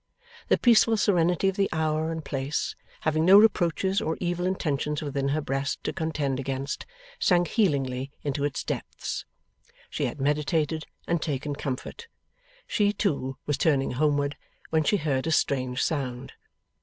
The peaceful serenity of the hour and place, having no reproaches or evil intentions within her breast to contend against, sank healingly into its depths. She had meditated and taken comfort. She, too, was turning homeward, when she heard a strange sound.